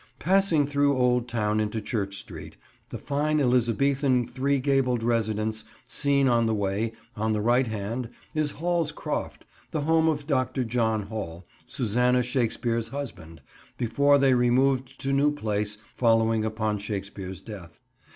Passing through Old Town into Church Street, the fine Elizabethan three gabled residence seen on the way, on the right hand, is Hall's Croft, the home of Dr. John Hall, Susanna Shakespeare's husband, before they removed to New Place following upon Shakespeare's death.